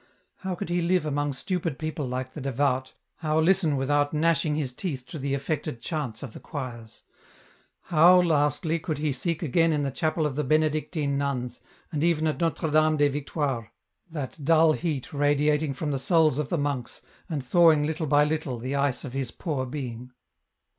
How could he live among stupid people like the devout, how listen without gnashing his teeth to the affected chants of the choirs ? How, lastly, could he seek again in the chapel of the Benedictine nuns, and even at Notre Dame des Victoires, that dull heat radiating from the souls of the monks, and thawing little by little the ice of his poor being